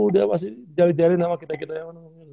dia masih jalin jalin sama kita kita ya